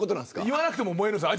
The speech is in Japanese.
言わなくても燃えるんです。